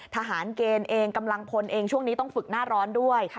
ทหารเกณฑ์เองกำลังพลเองช่วงนี้ต้องฝึกหน้าร้อนด้วย